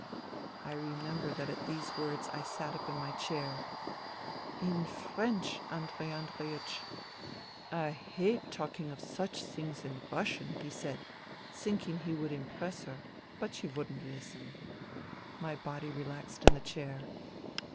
..." I remember that at these words I sat up in my chair. "... in French, Andrei Andreiech !"' I hate talking of such things in Russian,' he said, thinking he would impress her. But she wouldn't listen." My body relaxed in the chair.